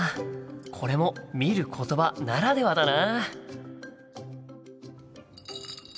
これも「見ることば」ならではだな。